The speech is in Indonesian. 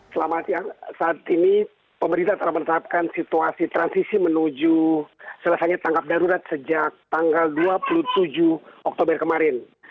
selamat siang saat ini pemerintah telah menetapkan situasi transisi menuju selesainya tangkap darurat sejak tanggal dua puluh tujuh oktober kemarin